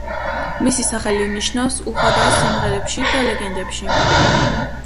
მისი სახელი ნიშნავს „უხვადაა სიმღერებში და ლეგენდებში“.